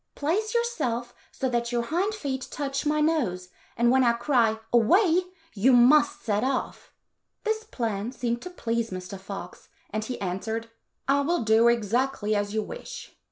"Place yourself so that your hind feet touch my nose, and when I cry, ' Away !' you must set off." This plan seemed to please Mr. Fox, and he answered, " I will do exactly as you wish."